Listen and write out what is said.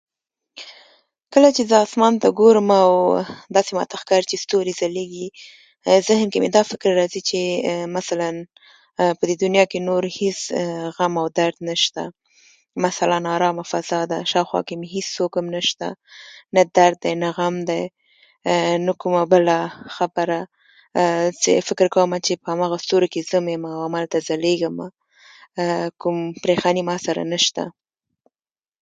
کله چې زه اسمان ته ګورم، او داسې ماته ښکاري چې ستوري ځلېږي، ذهن کې مې دا فکر راځي چې مثلاً په دې دنیا کې نور هېڅ غم او درد نشته. مثلاً ارامه فضا ده، شاوخوا کې مې هېڅوک هم نشته، نه درد دی، نه غم دی، نه کومه بله خبره. چې فکر کوم چې هغه ستورو کې زه هم یمه، همالته ځلېږمه، کومه پرېشاني ماسره نشته.